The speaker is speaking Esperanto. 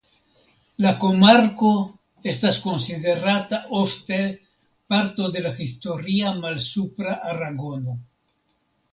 La komarko estas konsiderata ofte parto de la Historia Malsupra Aragono.